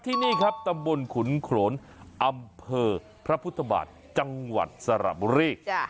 ที่นี่ครับตำบลขุนโขนอำเภอพระพุทธบาทจังหวัดสระบุรี